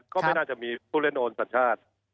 ก็ไม่น่าจะมีผู้เล่นโอนสัญชาติ